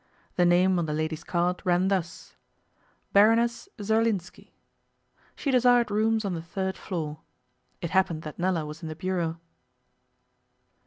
The name on the lady's card ran thus: 'Baroness Zerlinski'. She desired rooms on the third floor. It happened that Nella was in the bureau.